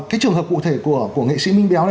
cái trường hợp cụ thể của nghệ sĩ minh béo này